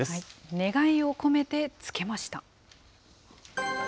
願いを込めてつけました。